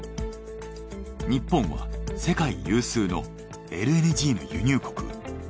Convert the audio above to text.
日本は世界有数のＬＮＧの輸入国。